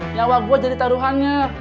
nyawa gue jadi taruhannya